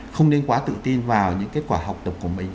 không nên quá tự tin vào những kết quả học tập của mình